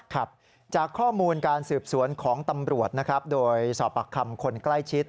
ครับจากข้อมูลการสืบสวนของตำรวจนะครับโดยสอบปากคำคนใกล้ชิด